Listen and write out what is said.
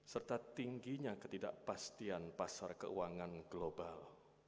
serta tingginya ketidakpastian pasar keuangan global